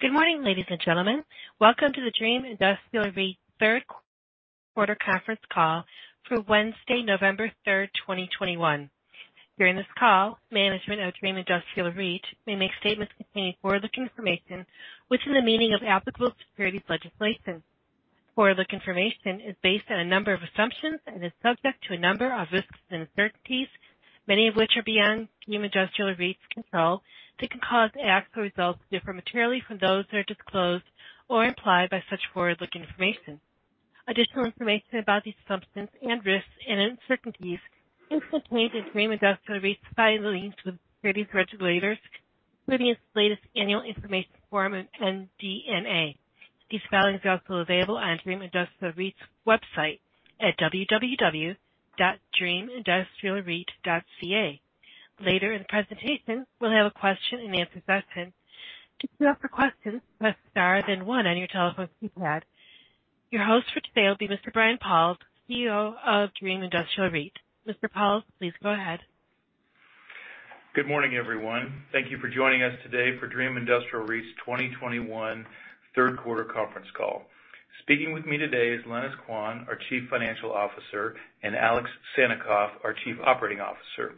Good morning, ladies and gentlemen. Welcome to the Dream Industrial REIT third quarter conference call for Wednesday, November 3rd, 2021. During this call, management of Dream Industrial REIT may make statements containing forward-looking information, which, in the meaning of applicable securities legislation. Forward-looking information is based on a number of assumptions and is subject to a number of risks and uncertainties, many of which are beyond Dream Industrial REIT's control, that can cause actual results to differ materially from those that are disclosed or implied by such forward-looking information. Additional information about these assumptions and risks and uncertainties is contained in Dream Industrial REIT's filings with securities regulators for its latest annual information form and MD&A. These filings are also available on Dream Industrial REIT's website at www.dreamindustrialreit.ca. Later in the presentation, we'll have a question-and-answer session. To ask a question, press star then one on your telephone keypad. Your host for today will be Mr. Brian Pauls, CEO of Dream Industrial REIT. Mr. Pauls, please go ahead. Good morning, everyone. Thank you for joining us today for Dream Industrial REIT's 2021 third quarter conference call. Speaking with me today is Lenis Quan, our Chief Financial Officer, and Alex Sannikov, our Chief Operating Officer.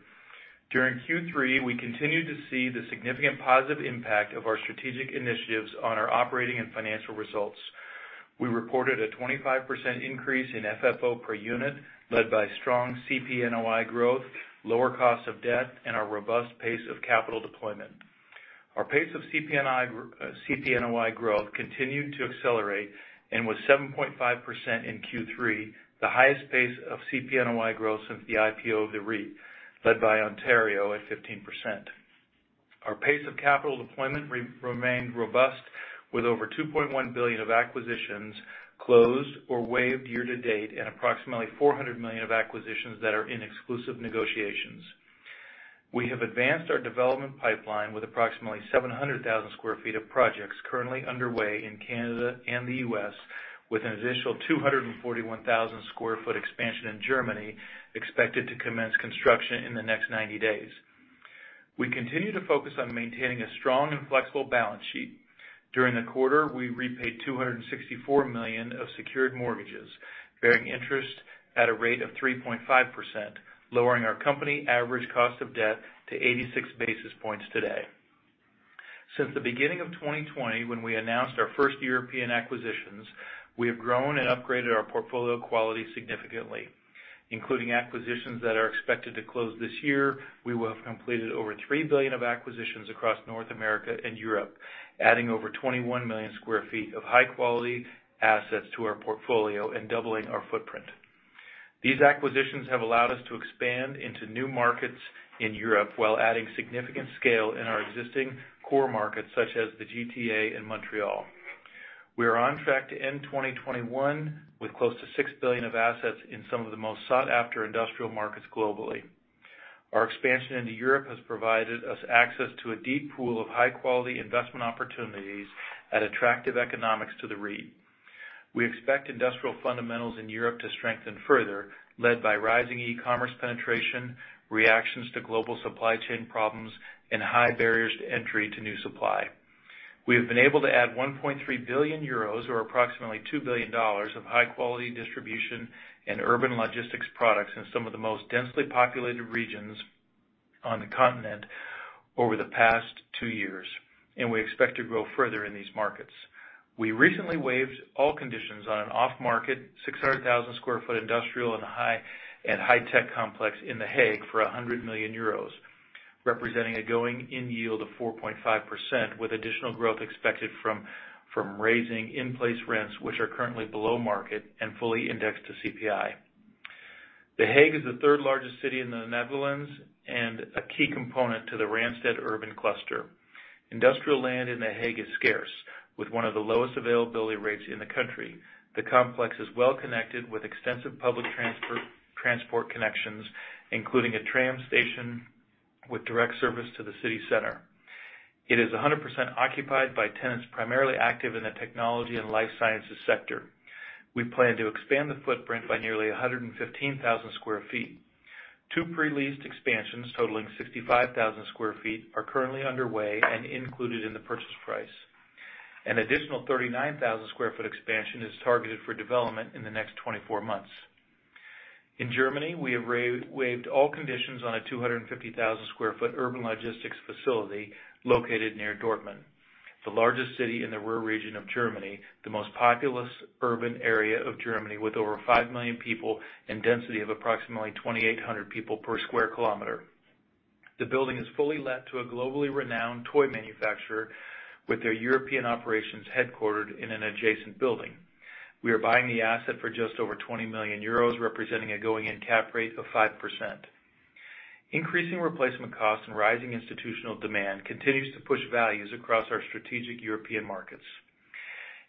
During Q3, we continued to see the significant positive impact of our strategic initiatives on our operating and financial results. We reported a 25% increase in FFO per unit, led by strong CPNOI growth, lower cost of debt, and our robust pace of capital deployment. Our pace of CPNOI growth continued to accelerate and was 7.5% in Q3, the highest pace of CPNOI growth since the IPO of the REIT, led by Ontario at 15%. Our pace of capital deployment remained robust with over 2.1 billion of acquisitions closed or waived year to date and approximately 400 million of acquisitions that are in exclusive negotiations. We have advanced our development pipeline with approximately 700,000 sq ft of projects currently underway in Canada and the U.S., with an additional 241,000 sq ft expansion in Germany expected to commence construction in the next 90 days. We continue to focus on maintaining a strong and flexible balance sheet. During the quarter, we repaid 264 million of secured mortgages, bearing interest at a rate of 3.5%, lowering our company average cost of debt to 86 basis points today. Since the beginning of 2020, when we announced our first European acquisitions, we have grown and upgraded our portfolio quality significantly, including acquisitions that are expected to close this year. We will have completed over 3 billion of acquisitions across North America and Europe, adding over 21 million sq ft of high quality assets to our portfolio and doubling our footprint. These acquisitions have allowed us to expand into new markets in Europe while adding significant scale in our existing core markets such as the GTA and Montréal. We are on track to end 2021 with close to 6 billion of assets in some of the most sought-after industrial markets globally. Our expansion into Europe has provided us access to a deep pool of high-quality investment opportunities at attractive economics to the REIT. We expect industrial fundamentals in Europe to strengthen further, led by rising e-commerce penetration, reactions to global supply chain problems, and high barriers to entry to new supply. We have been able to add 1.3 billion euros or approximately $2 billion of high-quality distribution and urban logistics products in some of the most densely populated regions on the continent over the past two years, and we expect to grow further in these markets. We recently waived all conditions on an off-market 600,000 sq ft industrial and high-tech complex in The Hague for 100 million euros, representing a going in yield of 4.5%, with additional growth expected from raising in-place rents, which are currently below market and fully indexed to CPI. The Hague is the third largest city in the Netherlands and a key component to the Randstad urban cluster. Industrial land in The Hague is scarce, with one of the lowest availability rates in the country. The complex is well connected with extensive public transport connections, including a tram station with direct service to the city center. It is 100% occupied by tenants primarily active in the technology and life sciences sector. We plan to expand the footprint by nearly 115,000 sq ft. Two pre-leased expansions totaling 65,000 sq ft are currently underway and included in the purchase price. An additional 39,000 sq ft expansion is targeted for development in the next 24 months. In Germany, we have waived all conditions on a 250,000 sq ft urban logistics facility located near Dortmund, the largest city in the Ruhr region of Germany, the most populous urban area of Germany, with over 5 million people and density of approximately 2,800 people per square kilometer. The building is fully leased to a globally renowned toy manufacturer with their European operations headquartered in an adjacent building. We are buying the asset for just over 20 million euros, representing a going in cap rate of 5%. Increasing replacement costs and rising institutional demand continues to push values across our strategic European markets.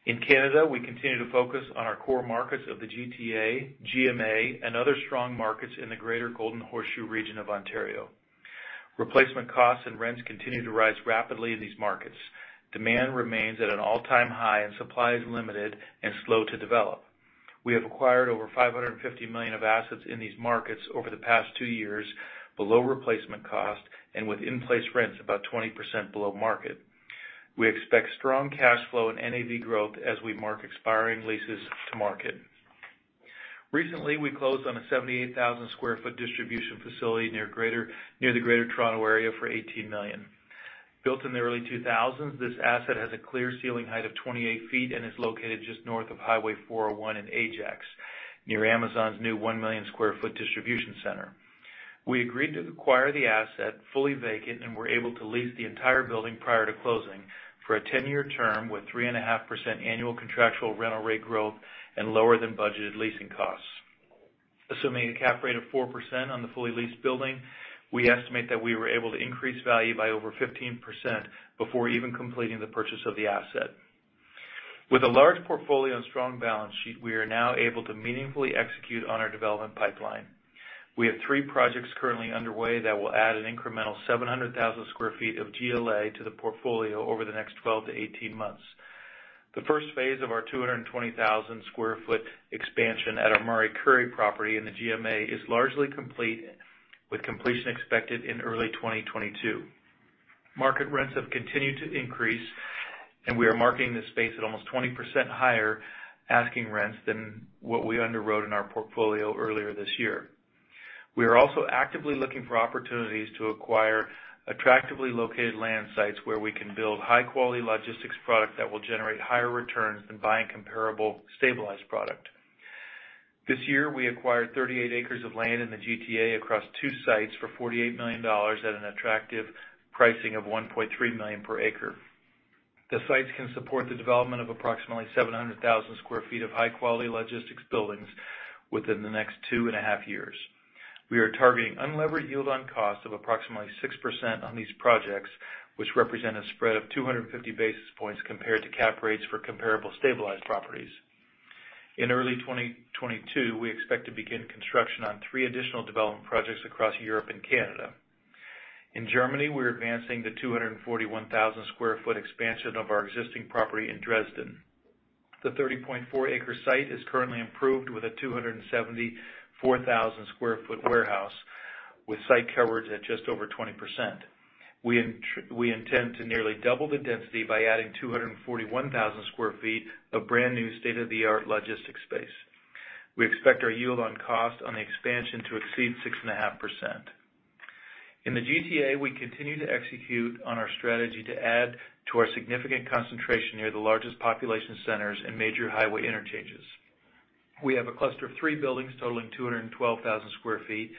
In Canada, we continue to focus on our core markets of the GTA, GMA, and other strong markets in the Greater Golden Horseshoe region of Ontario. Replacement costs and rents continue to rise rapidly in these markets. Demand remains at an all-time high and supply is limited and slow to develop. We have acquired over 550 million of assets in these markets over the past two years, below replacement cost and with in-place rents about 20% below market. We expect strong cash flow and NAV growth as we mark expiring leases to market. Recently, we closed on a 78,000 sq ft distribution facility near the Greater Toronto Area for 18 million. Built in the early 2000s, this asset has a clear ceiling height of 28 ft and is located just north of Highway 401 in Ajax, near Amazon's new 1,000,000 sq ft distribution center. We agreed to acquire the asset fully vacant, and were able to lease the entire building prior to closing for a 10-year term with 3.5% annual contractual rental rate growth and lower than budgeted leasing costs. Assuming a cap rate of 4% on the fully leased building, we estimate that we were able to increase value by over 15% before even completing the purchase of the asset. With a large portfolio and strong balance sheet, we are now able to meaningfully execute on our development pipeline. We have three projects currently underway that will add an incremental 700,000 sq ft of GLA to the portfolio over the next 12-18 months. The first phase of our 220,000 sq ft expansion at our Murray Kerr property in the GMA is largely complete, with completion expected in early 2022. Market rents have continued to increase, and we are marketing this space at almost 20% higher asking rents than what we underwrote in our portfolio earlier this year. We are also actively looking for opportunities to acquire attractively located land sites where we can build high-quality logistics product that will generate higher returns than buying comparable stabilized product. This year, we acquired 38 acres of land in the GTA across two sites for 48 million dollars at an attractive pricing of 1.3 million per acre. The sites can support the development of approximately 700,000 sq ft of high-quality logistics buildings within the next 2.5 years. We are targeting unlevered yield on cost of approximately 6% on these projects, which represent a spread of 250 basis points compared to cap rates for comparable stabilized properties. In early 2022, we expect to begin construction on three additional development projects across Europe and Canada. In Germany, we're advancing the 241,000 sq ft expansion of our existing property in Dresden. The 30.4-acre site is currently improved with a 274,000 sq ft warehouse with site coverage at just over 20%. We intend to nearly double the density by adding 241,000 sq ft of brand-new state-of-the-art logistics space. We expect our yield on cost on the expansion to exceed 6.5%. In the GTA, we continue to execute on our strategy to add to our significant concentration near the largest population centers and major highway interchanges. We have a cluster of three buildings totaling 212,000 sq ft,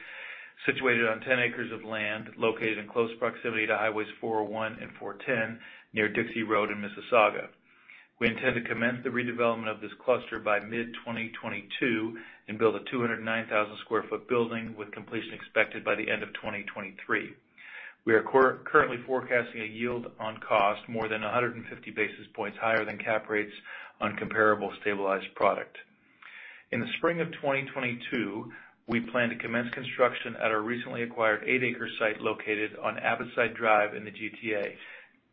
situated on 10 acres of land located in close proximity to Highway 401 and 410 near Dixie Road in Mississauga. We intend to commence the redevelopment of this cluster by mid-2022 and build a 209,000 sq ft building with completion expected by the end of 2023. We are currently forecasting a yield on cost more than 150 basis points higher than cap rates on comparable stabilized product. In the spring of 2022, we plan to commence construction at our recently acquired 8-acre site located on Abbotside Way in the GTA,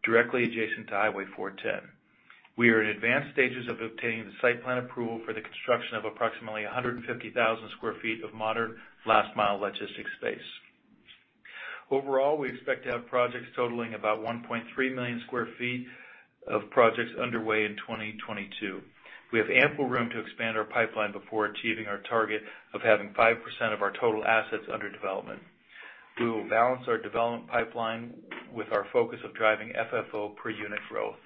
directly adjacent to Highway 410. We are in advanced stages of obtaining the site plan approval for the construction of approximately 150,000 sq ft of modern last mile logistics space. Overall, we expect to have projects totaling about 1.3 million sq ft of projects underway in 2022. We have ample room to expand our pipeline before achieving our target of having 5% of our total assets under development. We will balance our development pipeline with our focus of driving FFO per unit growth.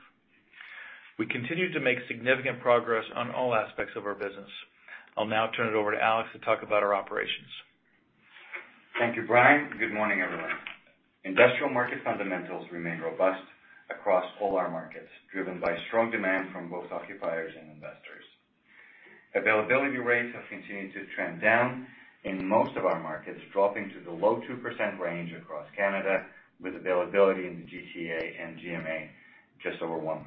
We continue to make significant progress on all aspects of our business. I'll now turn it over to Alex to talk about our operations. Thank you, Brian. Good morning, everyone. Industrial market fundamentals remain robust across all our markets, driven by strong demand from both occupiers and investors. Availability rates have continued to trend down in most of our markets, dropping to the low 2% range across Canada, with availability in the GTA and GMA just over 1%.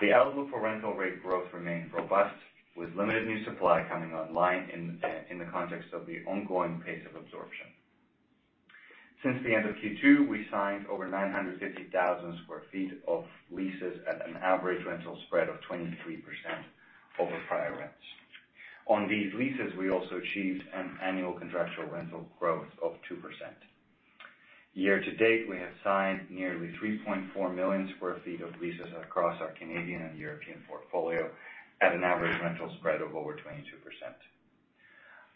The outlook for rental rate growth remains robust, with limited new supply coming online in the context of the ongoing pace of absorption. Since the end of Q2, we signed over 950,000 sq ft of leases at an average rental spread of 23% over prior rents. On these leases, we also achieved an annual contractual rental growth of 2%. Year to date, we have signed nearly 3.4 million sq ft of leases across our Canadian and European portfolio at an average rental spread of over 22%.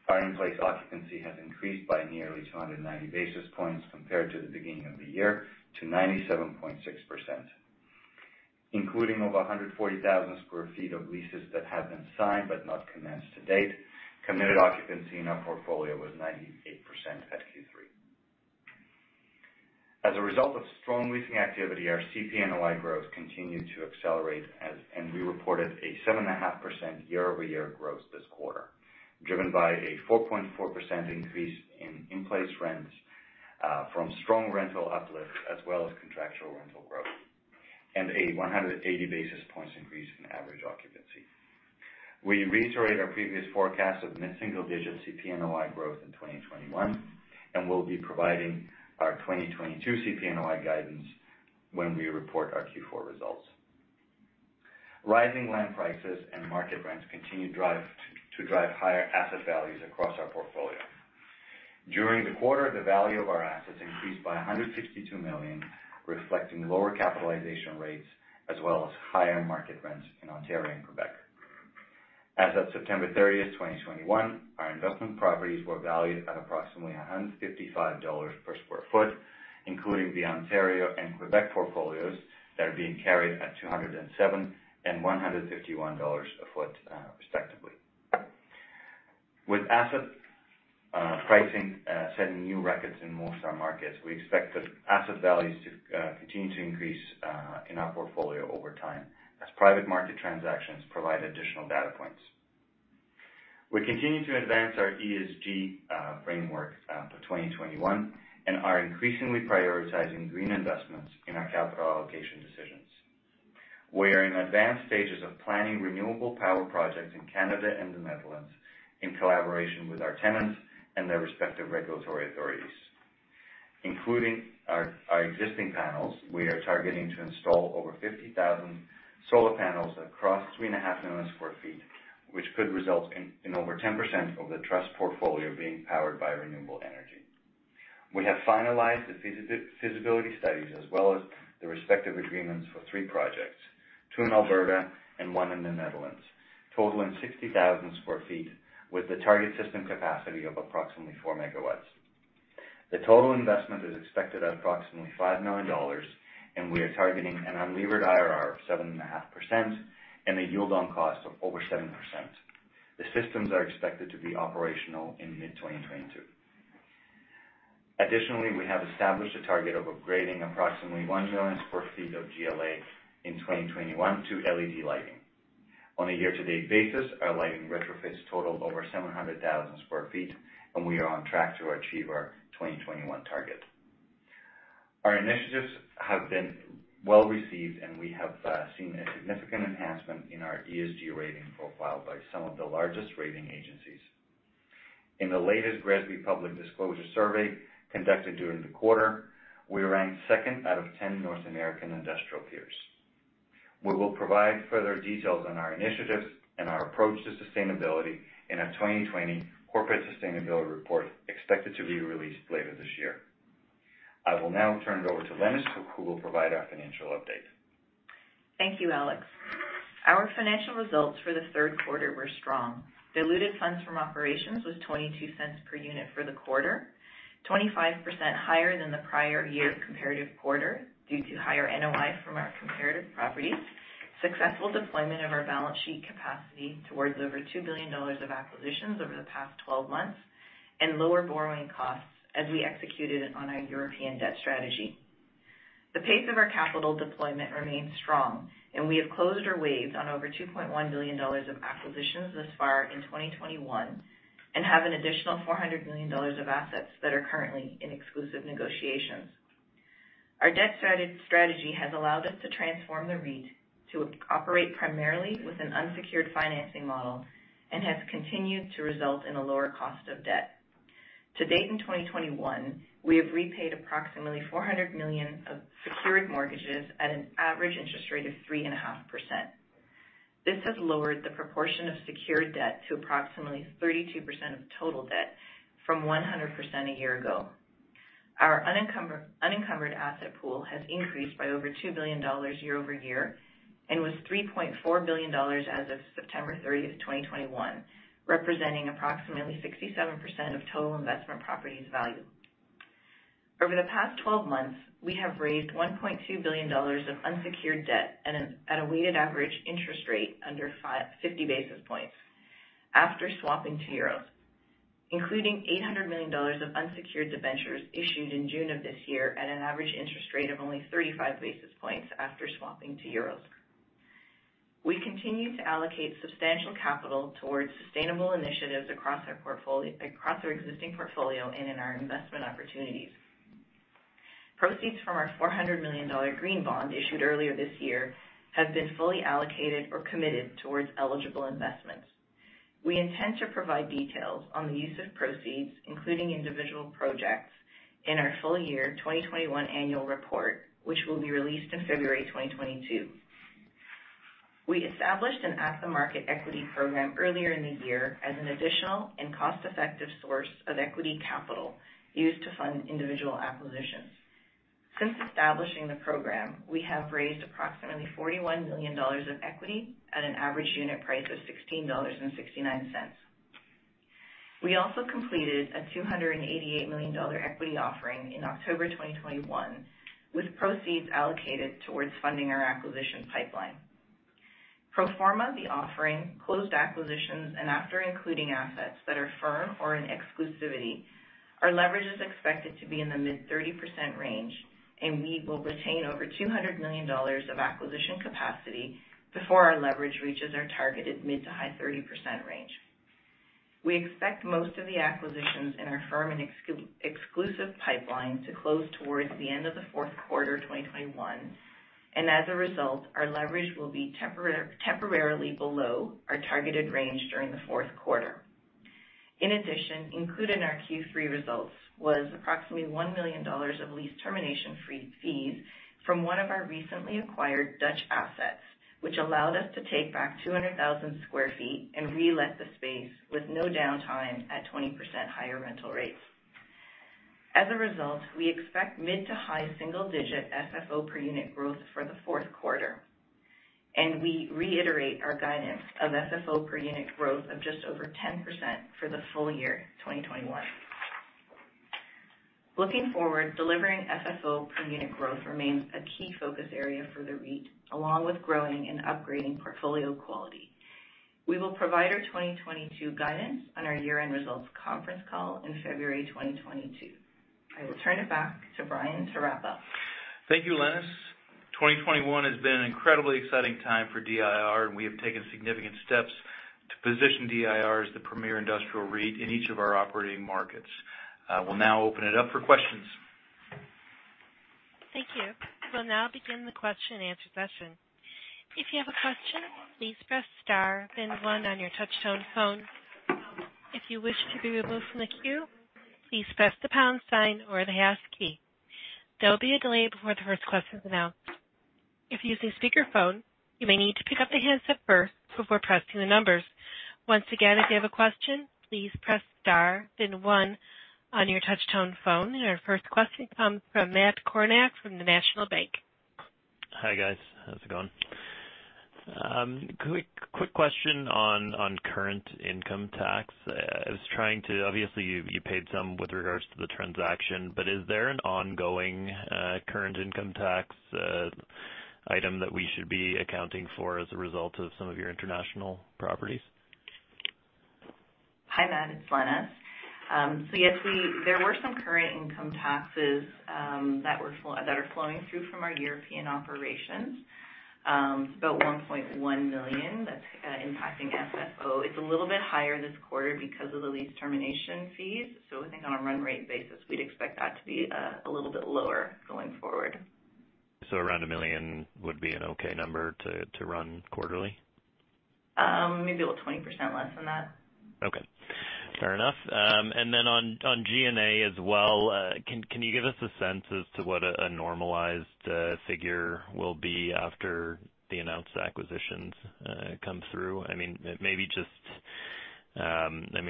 Our in-place occupancy has increased by nearly 290 basis points compared to the beginning of the year to 97.6%. Including over 140,000 sq ft of leases that have been signed but not commenced to date, committed occupancy in our portfolio was 98% at Q3. As a result of strong leasing activity, our CPNOI growth continued to accelerate, and we reported a 7.5% year-over-year growth this quarter, driven by a 4.4% increase in in-place rents from strong rental uplift, as well as contractual rental growth, and a 180 basis points increase in average occupancy. We reiterate our previous forecast of mid-single digit CPNOI growth in 2021, and we'll be providing our 2022 CPNOI guidance when we report our Q4 results. Rising land prices and market rents continue to drive higher asset values across our portfolio. During the quarter, the value of our assets increased by 162 million, reflecting lower capitalization rates as well as higher market rents in Ontario and Quebec. As of September 30, 2021, our investment properties were valued at approximately 155 dollars per sq ft, including the Ontario and Quebec portfolios that are being carried at 207 and 151 dollars a foot, respectively. With asset pricing setting new records in most of our markets, we expect the asset values to continue to increase in our portfolio over time as private market transactions provide additional data points. We continue to advance our ESG framework to 2021, and are increasingly prioritizing green investments in our capital allocation decisions. We are in advanced stages of planning renewable power projects in Canada and the Netherlands in collaboration with our tenants and their respective regulatory authorities. Including our existing panels, we are targeting to install over 50,000 solar panels across 3.5 million sq ft, which could result in over 10% of the trust portfolio being powered by renewable energy. We have finalized the feasibility studies as well as the respective agreements for three projects, two in Alberta and one in the Netherlands, totaling 60,000 sq ft with the target system capacity of approximately 4 MW. The total investment is expected at approximately 5 million dollars, and we are targeting an unlevered IRR of 7.5% and a yield on cost of over 7%. The systems are expected to be operational in mid-2022. Additionally, we have established a target of upgrading approximately 1 million sq ft of GLA in 2021. On a year-to-date basis, our lighting retrofits totaled over 700,000 sq ft, and we are on track to achieve our 2021 target. Our initiatives have been well-received, and we have seen a significant enhancement in our ESG rating profile by some of the largest rating agencies. In the latest GRESB public disclosure survey conducted during the quarter, we ranked second out of 10 North American industrial peers. We will provide further details on our initiatives and our approach to sustainability in our 2020 corporate sustainability report, expected to be released later this year. I will now turn it over to Lenis, who will provide our financial update. Thank you, Alex. Our financial results for the third quarter were strong. Diluted funds from operations was $0.22 per unit for the quarter, 25% higher than the prior year comparative quarter due to higher NOI from our comparative properties, successful deployment of our balance sheet capacity towards over $2 billion of acquisitions over the past 12 months, and lower borrowing costs as we executed on our European debt strategy. The pace of our capital deployment remains strong, and we have closed or waived on over $2.1 billion of acquisitions thus far in 2021, and have an additional $400 million of assets that are currently in exclusive negotiations. Our debt strategy has allowed us to transform the REIT to operate primarily with an unsecured financing model and has continued to result in a lower cost of debt. To date in 2021, we have repaid approximately 400 million of secured mortgages at an average interest rate of 3.5%. This has lowered the proportion of secured debt to approximately 32% of total debt from 100% a year ago. Our unencumbered asset pool has increased by over 2 billion dollars year-over-year and was 3.4 billion dollars as of September 30, 2021, representing approximately 67% of total investment properties value. Over the past 12 months, we have raised 1.2 billion dollars of unsecured debt at a weighted average interest rate under 50 basis points after swapping to euros, including 800 million dollars of unsecured debentures issued in June of this year at an average interest rate of only 35 basis points after swapping to euros. We continue to allocate substantial capital towards sustainable initiatives across our existing portfolio and in our investment opportunities. Proceeds from our 400 million dollar green bond issued earlier this year have been fully allocated or committed towards eligible investments. We intend to provide details on the use of proceeds, including individual projects, in our full year 2021 annual report, which will be released in February, 2022. We established an at-the-market equity program earlier in the year as an additional and cost-effective source of equity capital used to fund individual acquisitions. Since establishing the program, we have raised approximately 41 million dollars of equity at an average unit price of 16.69 dollars. We also completed a 288 million dollar equity offering in October 2021, with proceeds allocated towards funding our acquisition pipeline. Pro forma the offering, closed acquisitions, and after including assets that are firm or in exclusivity, our leverage is expected to be in the mid-30% range, and we will retain over 200 million dollars of acquisition capacity before our leverage reaches our targeted mid- to high 30% range. We expect most of the acquisitions in our firm and exclusive pipeline to close towards the end of the fourth quarter 2021, and as a result, our leverage will be temporarily below our targeted range during the fourth quarter. In addition, included in our Q3 results was approximately 1 million dollars of lease termination fees from one of our recently acquired Dutch assets, which allowed us to take back 200,000 sq ft and relet the space with no downtime at 20% higher rental rates. As a result, we expect mid- to high-single-digit FFO per unit growth for the fourth quarter. We reiterate our guidance of FFO per unit growth of just over 10% for the full year 2021. Looking forward, delivering FFO per unit growth remains a key focus area for the REIT, along with growing and upgrading portfolio quality. We will provide our 2022 guidance on our year-end results conference call in February 2022. I will turn it back to Brian to wrap up. Thank you, Lenis. 2021 has been an incredibly exciting time for DIR, and we have taken significant steps to position DIR as the premier industrial REIT in each of our operating markets. I will now open it up for questions. Thank you. We'll now begin the question-and-answer session. If you have a question, please press star then one on your touchtone phone. If you wish to be removed from the queue, please press the pound sign or the hash key. There'll be a delay before the first question is announced. If using speakerphone, you may need to pick up the handset first before pressing the numbers. Once again, if you have a question, please press star then one on your touchtone phone. Our first question comes from Matt Kornack from National Bank Financial. Hi, guys. How's it going? Quick question on current income tax. Obviously you paid some with regards to the transaction, but is there an ongoing current income tax item that we should be accounting for as a result of some of your international properties? Hi, Matt. It's Lenis. Yes, there were some current income taxes that are flowing through from our European operations. It's about 1.1 million that's impacting FFO. It's a little bit higher this quarter because of the lease termination fees. I think on a run rate basis, we'd expect that to be a little bit lower going forward. Around 1 million would be an okay number to run quarterly? Maybe about 20% less than that. Okay. Fair enough. On G&A as well, can you give us a sense as to what a normalized figure will be after the announced acquisitions come through? I mean, maybe just,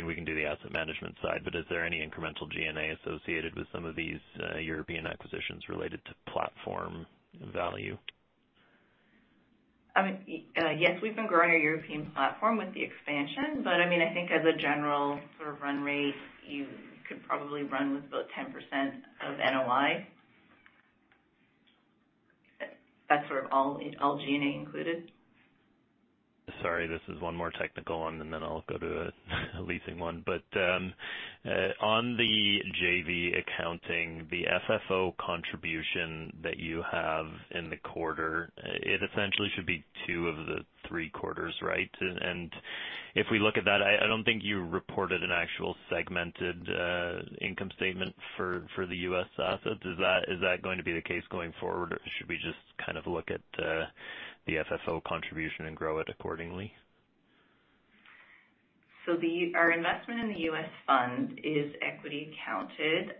we can do the asset management side, but is there any incremental G&A associated with some of these European acquisitions related to platform value? I mean, yes, we've been growing our European platform with the expansion, but I mean, I think as a general sort of run rate, you could probably run with about 10% of NOI. That's sort of all G&A included. Sorry, this is one more technical one, and then I'll go to a leasing one. On the JV accounting, the FFO contribution that you have in the quarter, it essentially should be two of the three quarters, right? If we look at that, I don't think you reported an actual segmented income statement for the U.S. assets. Is that going to be the case going forward? Should we just kind of look at the FFO contribution and grow it accordingly? Our investment in the U.S. fund is equity accounted.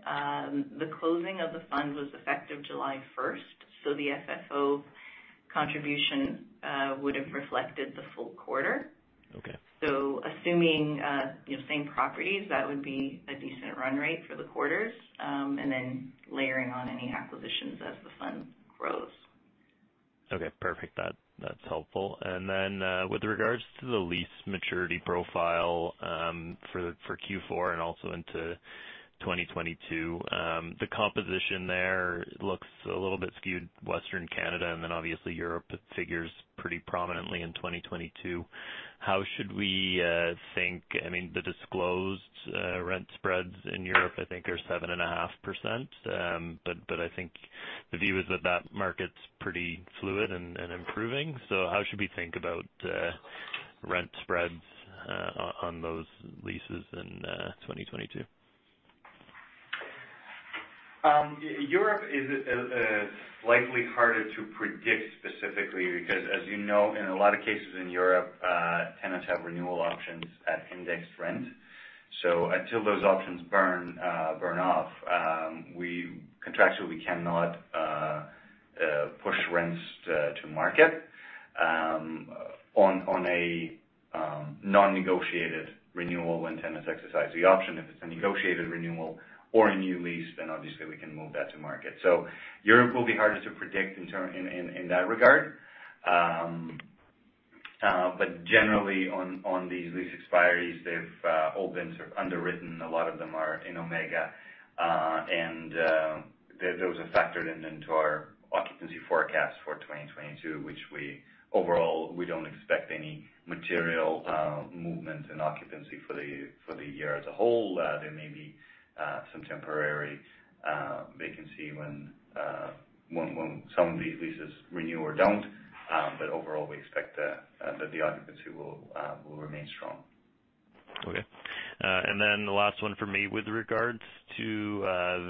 The closing of the fund was effective July 1, so the FFO contribution would have reflected the full quarter. Okay. Assuming same properties, that would be a decent run rate for the quarters, and then layering on any acquisitions as the fund grows. Okay, perfect. That's helpful. Then, with regards to the lease maturity profile, for Q4 and also into 2022, the composition there looks a little bit skewed Western Canada, and then obviously Europe figures pretty prominently in 2022. How should we think? I mean, the disclosed rent spreads in Europe, I think, are 7.5%. But I think the view is that that market's pretty fluid and improving. How should we think about rent spreads on those leases in 2022? Europe is likely harder to predict specifically, because as you know, in a lot of cases in Europe, tenants have renewal options at indexed rent. Until those options burn off, we contractually cannot push rents to market on a non-negotiated renewal when tenants exercise the option. If it's a negotiated renewal or a new lease, then obviously we can move that to market. Europe will be harder to predict in that regard. Generally on these lease expiries, they've all been sort of underwritten. A lot of them are in Omega, and those are factored into our occupancy forecast for 2022, which overall we don't expect any material movement in occupancy for the year as a whole. There may be some temporary vacancy when some of these leases renew or don't. Overall, we expect that the occupancy will remain strong. Okay. The last one for me with regards to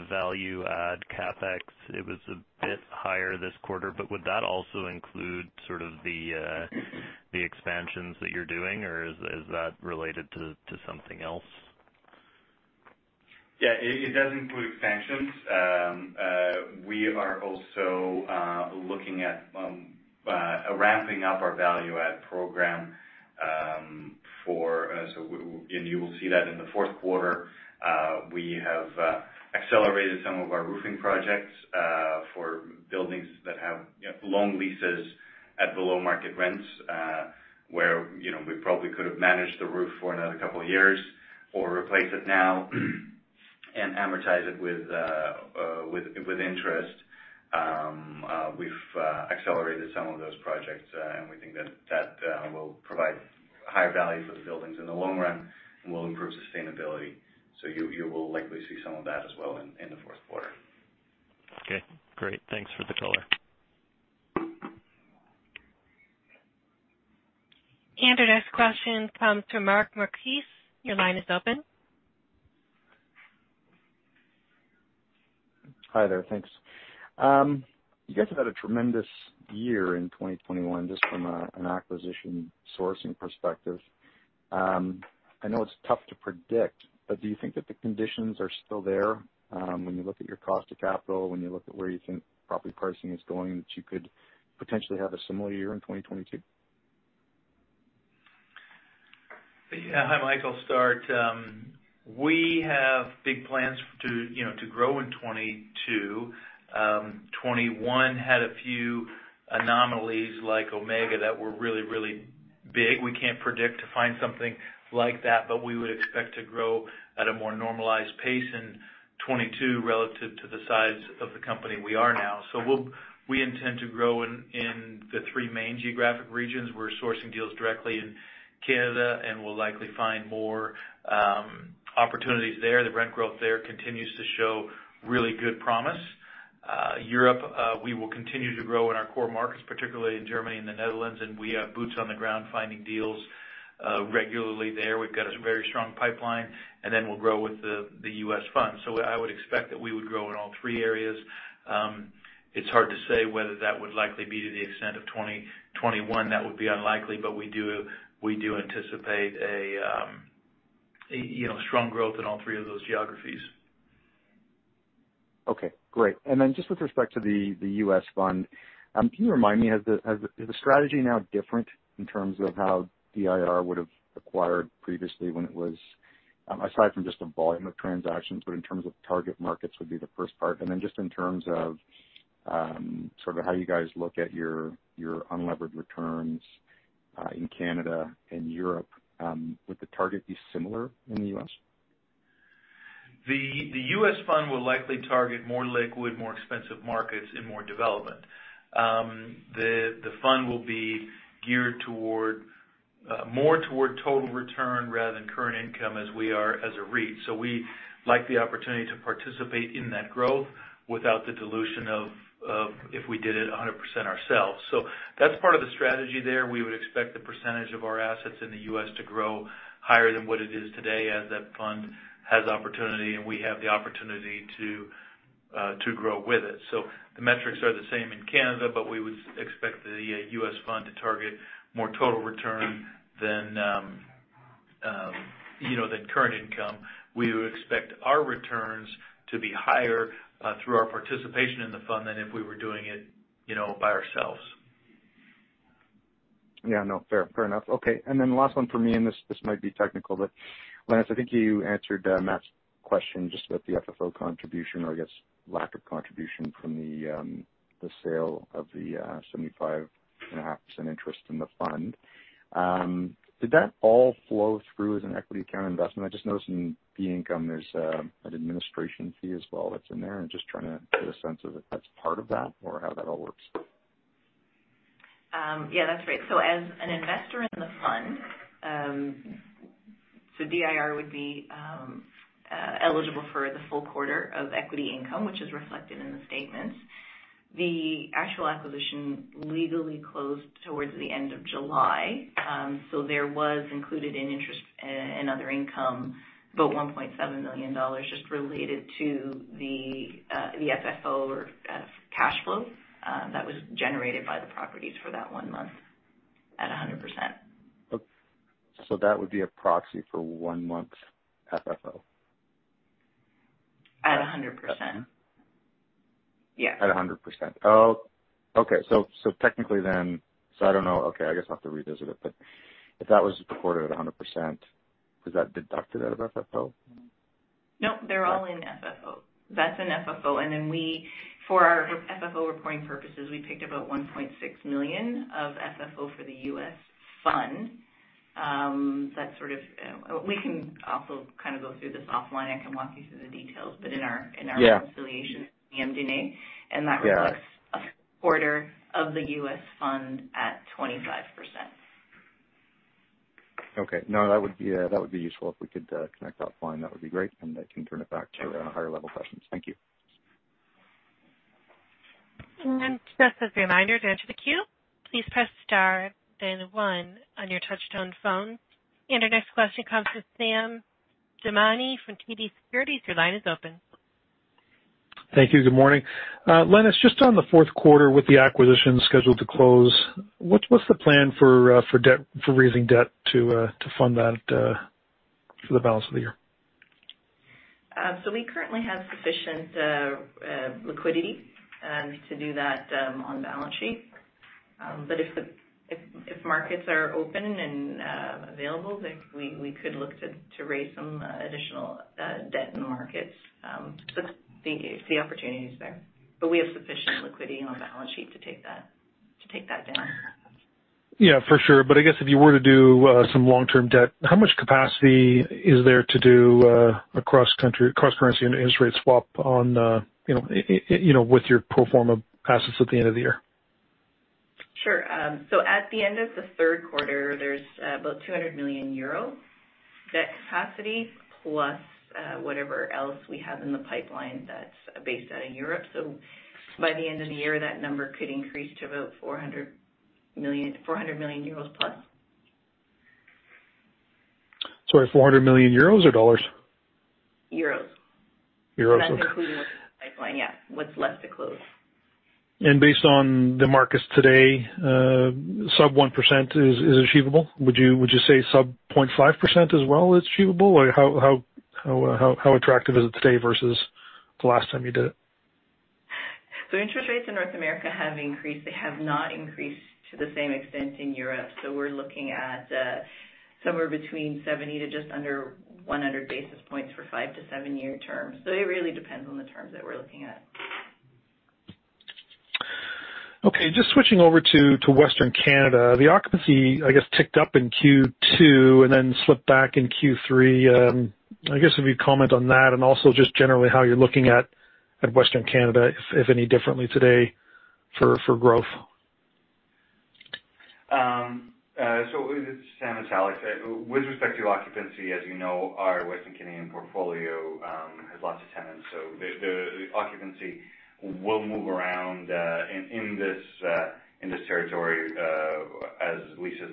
value-add CapEx, it was a bit higher this quarter, but would that also include sort of the expansions that you're doing, or is that related to something else? Yeah, it does include expansions. We are also looking at ramping up our value add program for us and you will see that in the fourth quarter. We have accelerated some of our roofing projects for buildings that have you know long leases at below market rents, where you know we probably could have managed the roof for another couple of years or replace it now and amortize it with with interest. We've accelerated some of those projects and we think that will provide higher value for the buildings in the long run and will improve sustainability. You will likely see some of that as well in the fourth quarter. Okay, great. Thanks for the color. Our next question comes from Michael Markidis. Your line is open. Hi there. Thanks. You guys have had a tremendous year in 2021 just from an acquisition sourcing perspective. I know it's tough to predict, but do you think that the conditions are still there, when you look at your cost of capital, when you look at where you think property pricing is going, that you could potentially have a similar year in 2022? Yeah. Hi, Michael Markidis, I'll start. We have big plans to, you know, to grow in 2022. 2021 had a few anomalies like Omega that were really big. We can't predict to find something like that, but we would expect to grow at a more normalized pace in 2022 relative to the size of the company we are now. We intend to grow in the three main geographic regions. We're sourcing deals directly in Canada, and we'll likely find more opportunities there. The rent growth there continues to show really good promise. Europe, we will continue to grow in our core markets, particularly in Germany and the Netherlands, and we have boots on the ground finding deals regularly there. We've got a very strong pipeline, and then we'll grow with the U.S. fund. I would expect that we would grow in all three areas. It's hard to say whether that would likely be to the extent of 2021. That would be unlikely. We do anticipate a, you know, strong growth in all three of those geographies. Okay, great. Just with respect to the U.S. fund, can you remind me, is the strategy now different in terms of how DIR would have acquired previously when it was, aside from just the volume of transactions, but in terms of target markets would be the first part. Just in terms of sort of how you guys look at your unlevered returns in Canada and Europe, would the target be similar in the U.S.? The U.S. fund will likely target more liquid, more expensive markets and more development. The fund will be geared toward more toward total return rather than current income as we are as a REIT. We like the opportunity to participate in that growth without the dilution of if we did it 100% ourselves. That's part of the strategy there. We would expect the percentage of our assets in the U.S. to grow higher than what it is today as that fund has opportunity and we have the opportunity to grow with it. The metrics are the same in Canada, but we would expect the U.S. fund to target more total return than, you know, than current income. We would expect our returns to be higher through our participation in the fund than if we were doing it, you know, by ourselves. Yeah. No. Fair enough. Okay. Last one for me, and this might be technical, but Lenis, I think you answered Matt's question just about the FFO contribution or I guess lack of contribution from the sale of the 75.5% interest in the fund. Did that all flow through as an equity accounted investment? I just noticed in fee income there's an administration fee as well that's in there. I'm just trying to get a sense of if that's part of that or how that all works. Yeah, that's right. As an investor in the fund, DIR would be eligible for the full quarter of equity income, which is reflected in the statements. The actual acquisition legally closed towards the end of July. There was included in interest and other income, about 1.7 million dollars just related to the FFO or cash flow that was generated by the properties for that one month at 100%. That would be a proxy for one month FFO? At 100%. Yeah. At 100%. Oh, okay. Technically then, I don't know. Okay, I guess I'll have to revisit it, but if that was reported at 100%, is that deducted out of FFO? Nope, they're all in FFO. That's in FFO. For our FFO reporting purposes, we picked about $1.6 million of FFO for the US fund. That's sort of. We can also kind of go through this offline. I can walk you through the details, but in our- Yeah. In our reconciliation MD&A, and that reflects. Yeah. A quarter of the U.S. fund at 25%. Okay. No, that would be useful if we could connect offline. That would be great. I can turn it back to higher level questions. Thank you. Our next question comes from Sam Damiani from TD Securities. Your line is open. Thank you. Good morning. Lenis, just on the fourth quarter with the acquisition scheduled to close, what's the plan for raising debt to fund that for the balance of the year? We currently have sufficient liquidity to do that on balance sheet. If markets are open and available, then we could look to raise some additional debt in markets if the opportunity is there. We have sufficient liquidity on our balance sheet to take that down. Yeah, for sure. I guess if you were to do some long-term debt, how much capacity is there to do a cross-currency interest rate swap on, you know, you know, with your pro forma assets at the end of the year? Sure. At the end of the third quarter, there's about 200 million euro debt capacity plus whatever else we have in the pipeline that's based out of Europe. By the end of the year, that number could increase to about 400 million euros plus. Sorry, 400 million euros or dollars? Euros. Euros, okay. That's including what's in the pipeline, yeah, what's left to close. Based on the markets today, sub-1% is achievable? Would you say sub-0.5% as well is achievable? Or how attractive is it today versus the last time you did it? Interest rates in North America have increased. They have not increased to the same extent in Europe. We're looking at somewhere between 70 to just under 100 basis points for 5-7 year terms. It really depends on the terms that we're looking at. Okay, just switching over to Western Canada. The occupancy, I guess, ticked up in Q2 and then slipped back in Q3. I guess if you'd comment on that and also just generally how you're looking at Western Canada, if any differently today for growth. This is Alexander Sannikov. With respect to occupancy, as you know, our Western Canadian portfolio has lots of tenants. The occupancy will move around in this territory as leases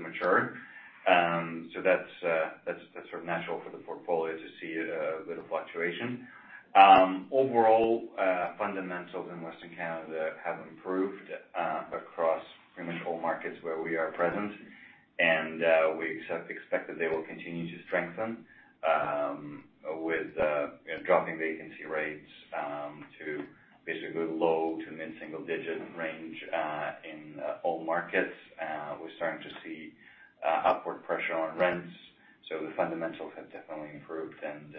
mature. That's sort of natural for the portfolio to see a little fluctuation. Overall, fundamentals in Western Canada have improved across pretty much all markets where we are present. We expect that they will continue to strengthen with dropping vacancy rates to basically low to mid-single digit range in all markets. We're starting to see upward pressure on rents. The fundamentals have definitely improved and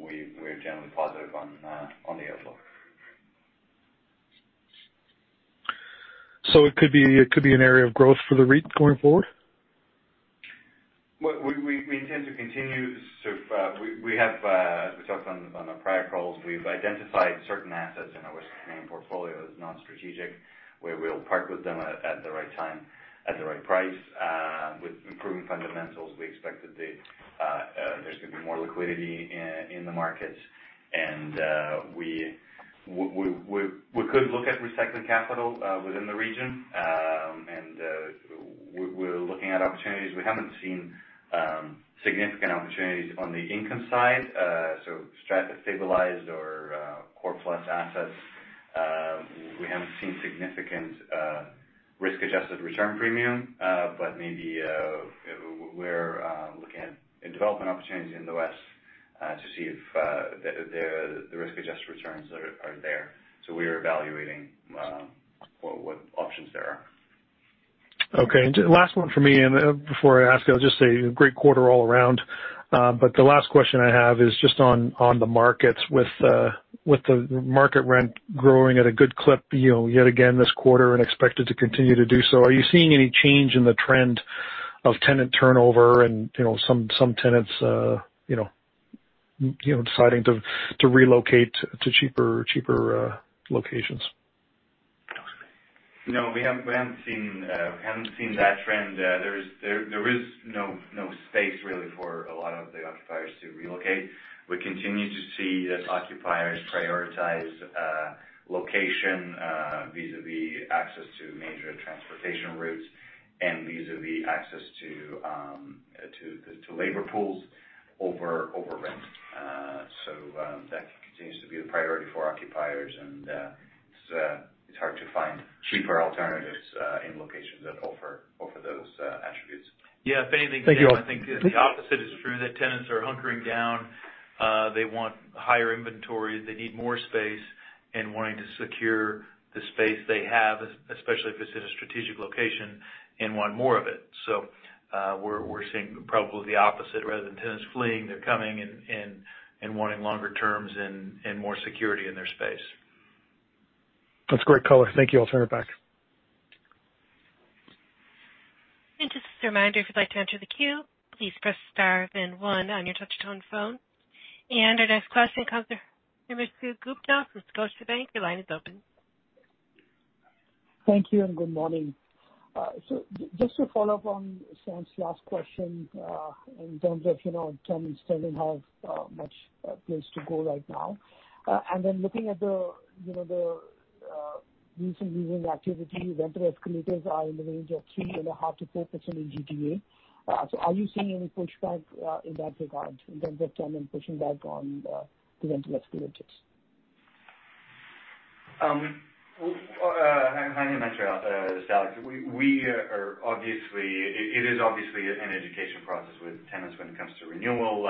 we're generally positive on the outlook. It could be an area of growth for the REIT going forward? We have, as we talked on our prior calls, we've identified certain assets in our Western Canadian portfolio as non-strategic. We will part with them at the right time, at the right price. With improving fundamentals, we expect that there's gonna be more liquidity in the markets. We could look at recycling capital within the region. We're looking at opportunities. We haven't seen significant opportunities on the income side, so stabilized or core plus assets. We haven't seen significant risk-adjusted return premium, but maybe we're looking at development opportunities in the West to see if the risk-adjusted returns are there. We are evaluating what options there are. Okay. Last one from me, and before I ask, I'll just say great quarter all around. The last question I have is just on the markets. With the market rent growing at a good clip, you know, yet again this quarter and expected to continue to do so, are you seeing any change in the trend of tenant turnover and, you know, some tenants deciding to relocate to cheaper locations? No, we haven't seen that trend. There is no space really for a lot of the occupiers to relocate. We continue to see that occupiers prioritize location vis-à-vis access to major transportation routes and vis-à-vis access to labor pools over rent. That continues to be a priority for occupiers, and it's hard to find cheaper alternatives in locations that offer those attributes. Yeah, if anything. Thank you all. I think the opposite is true, that tenants are hunkering down. They want higher inventory. They need more space and wanting to secure the space they have, especially if it's in a strategic location, and want more of it. We're seeing probably the opposite. Rather than tenants fleeing, they're coming and wanting longer terms and more security in their space. That's great color. Thank you. I'll turn it back. Just as a reminder, if you'd like to enter the queue, please press star then one on your touch tone phone. Our next question comes from Himanshu Gupta from Scotiabank. Your line is open. Thank you and good morning. Just to follow up on Sam's last question, in terms of, you know, how much leeway to go right now. Looking at the recent leasing activity, rental escalators are in the range of 3.5%-4% in GTA. Are you seeing any pushback in that regard, in terms of tenants pushing back on the rental escalators? Hi, Himanshu. This is Alex. It is obviously an education process with tenants when it comes to renewal.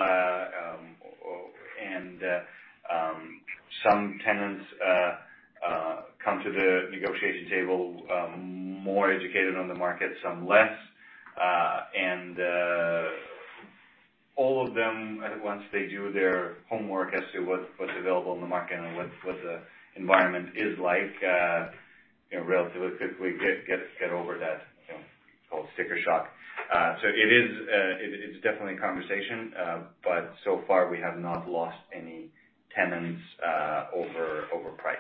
Some tenants come to the negotiation table more educated on the market, some less. All of them, once they do their homework as to what's available in the market and what the environment is like, you know, relatively quickly get over that, you know, called sticker shock. It is definitely a conversation. So far we have not lost any tenants over price.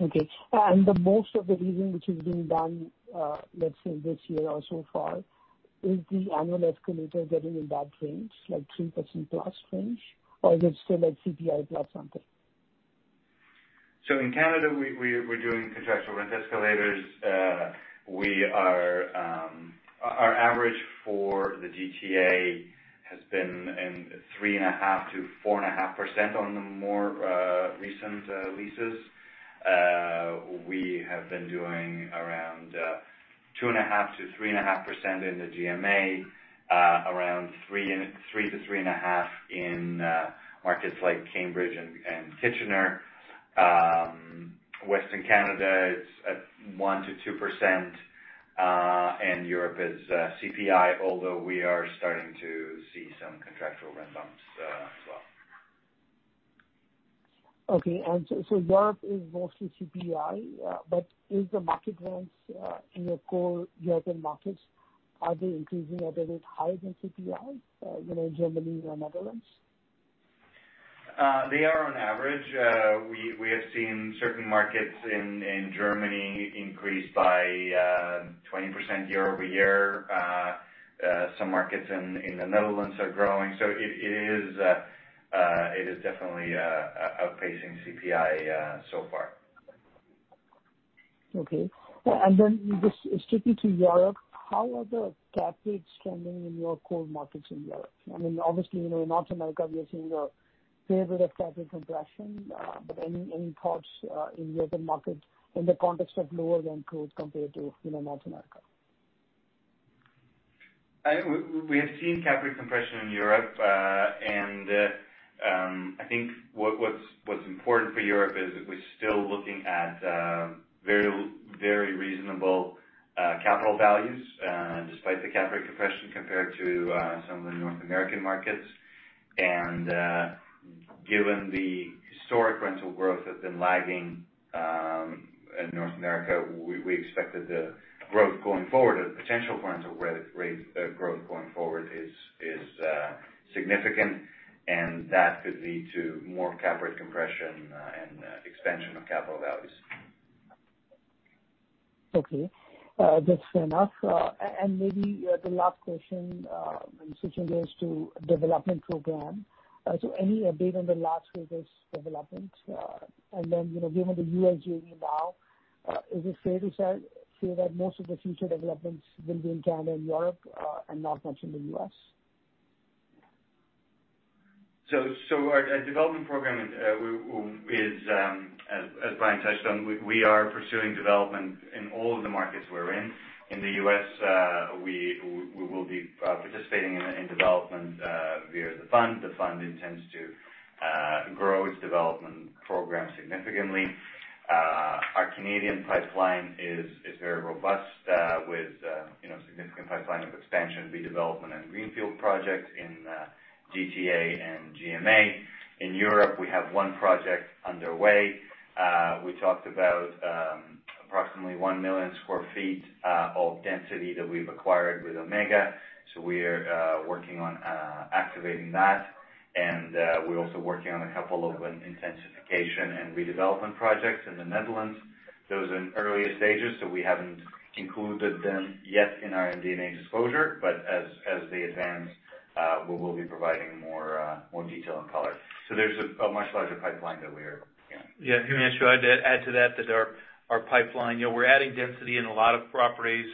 Okay. Most of the leasing which is being done, let's say this year or so far, is the annual escalator getting in that range, like 3% plus range, or is it still at CPI plus something? In Canada, we're doing contractual rent escalators. Our average for the GTA has been in 3.5%-4.5% on the more recent leases. We have been doing around 2.5%-3.5% in the GMA, around 3%-3.5% in markets like Cambridge and Kitchener. Western Canada is at 1%-2%, and Europe is CPI, although we are starting to see some contractual rent bumps as well. Okay. Europe is mostly CPI, but is the market rents in your core European markets are they increasing at a bit higher than CPI, you know, Germany or Netherlands? They are on average. We have seen certain markets in Germany increase by 20% year-over-year. Some markets in the Netherlands are growing, so it is definitely outpacing CPI so far. Okay. Just strictly to Europe, how are the cap rates trending in your core markets in Europe? I mean, obviously, you know, in North America, we are seeing a fair bit of cap rate compression, but any thoughts in European markets in the context of lower rent growth compared to, you know, North America? I think we have seen cap rate compression in Europe. I think what's important for Europe is we're still looking at very reasonable capital values despite the cap rate compression compared to some of the North American markets. Given the historic rental growth has been lagging in North America, we expect that the growth going forward or the potential rental rate growth going forward is significant, and that could lead to more cap rate compression and expansion of capital values. Okay. That's fair enough. Maybe the last question, I'm switching gears to development program. Any update on the last quarter's development? Given the U.S. journey now, is it fair to say that most of the future developments will be in Canada and Europe, and not much in the U.S.? Our development program is as Brian touched on, we are pursuing development in all of the markets we're in. In the U.S., we will be participating in development via the fund. The fund intends to grow its development program significantly. Our Canadian pipeline is very robust, with you know, significant pipeline of expansion, redevelopment and greenfield projects in GTA and GMA. In Europe, we have one project underway. We talked about approximately 1 million sq ft of density that we've acquired with Omega. We're working on activating that. We're also working on a couple of intensification and redevelopment projects in the Netherlands. Those are in earlier stages, so we haven't included them yet in our MD&A disclosure. As they advance, we will be providing more detail and color. There's a much larger pipeline that we're. Yeah. Himanshu, I'd add to that our pipeline, you know, we're adding density in a lot of properties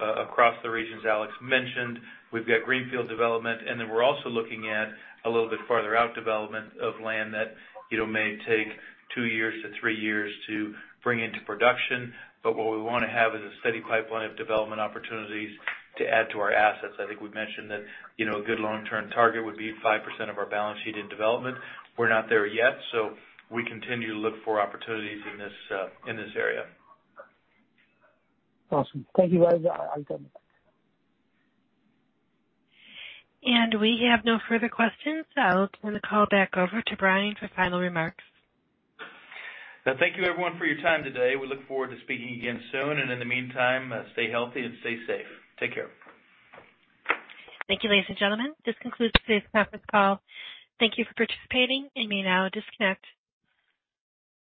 across the regions Alex mentioned. We've got greenfield development, and then we're also looking at a little bit farther out development of land that, you know, may take two years to three years to bring into production. What we wanna have is a steady pipeline of development opportunities to add to our assets. I think we've mentioned that, you know, a good long-term target would be 5% of our balance sheet in development. We're not there yet, so we continue to look for opportunities in this area. Awesome. Thank you, guys. I'll get back. We have no further questions, so I'll turn the call back over to Brian for final remarks. Thank you everyone for your time today. We look forward to speaking again soon. In the meantime, stay healthy and stay safe. Take care. Thank you, ladies and gentlemen. This concludes today's conference call. Thank you for participating. You may now disconnect.